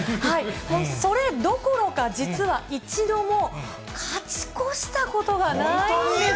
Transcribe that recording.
それどころか、実は一度も勝ち越したことがないんです。